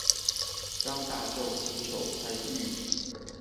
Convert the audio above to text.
讓大眾親手參與